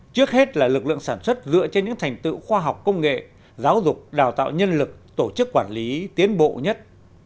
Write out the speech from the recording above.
trước hết là lực lượng sản xuất dựa trên những thành tựu khoa học công nghệ giáo dục đào tạo nhân lực tổ chức quản lý tiến bộ nhất